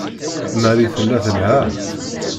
Marie tella telha.